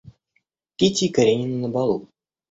Кити и Каренина на балу.